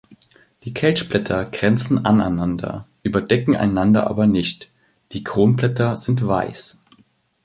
Die Kelchblätter grenzen aneinander, überdecken einander aber nicht, die Kronblätter sind weiß.